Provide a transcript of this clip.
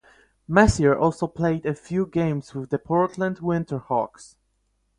Messier also played a few games with the Portland Winter Hawks.